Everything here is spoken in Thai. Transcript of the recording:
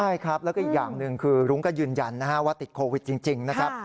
ใช่ครับแล้วก็อีกอย่างหนึ่งคือรุ้งก็ยืนยันนะฮะว่าติดโควิดจริงนะครับ